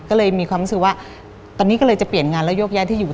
ก็เลยมีความรู้สึกว่าตอนนี้ก็เลยจะเปลี่ยนงานแล้วยกย้ายที่อยู่